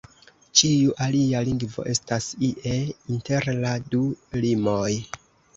Ĉiu alia lingvo estas ie inter la du limoj.